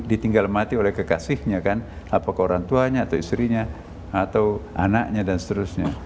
karena ditinggal mati oleh kekasihnya kan apakah orang tuanya atau istrinya atau anaknya dan seterusnya